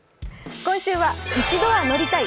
今週は「一度は乗りたい！